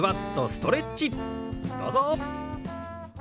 どうぞ！